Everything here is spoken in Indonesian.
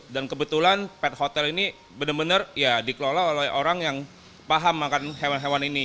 dan kebetulan pet hotel ini benar benar dikelola oleh orang yang paham makan hewan hewan ini